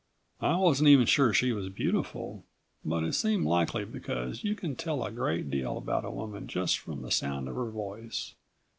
I wasn't even sure she was beautiful, but it seemed likely, because you can tell a great deal about a woman just from the sound of her voice.